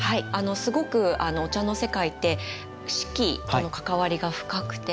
すごくお茶の世界って四季との関わりが深くて。